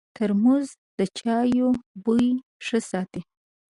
ترموز د چایو بوی ښه ساتي.